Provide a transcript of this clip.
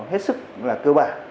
hết sức là cơ bản